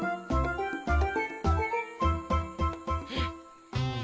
うん。